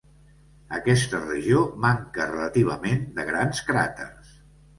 Aquesta regió manca relativament de grans cràters.